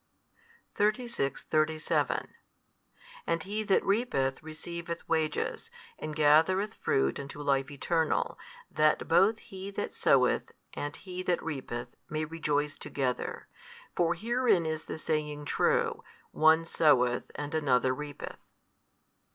36, 37 And he that reapeth receiveth wages, and gathereth fruit unto life eternal, that both he that soweth and he that reapeth may rejoice together. For herein is the saying true, One soweth and another reapeth.